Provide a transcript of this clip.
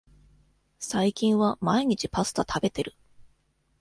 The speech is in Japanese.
最近は毎日パスタ食べてる